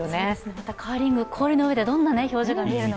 またカーリング、氷の上でどんな表情が見られるのか。